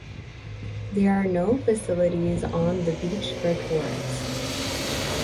There are no facilities on the beach for tourists.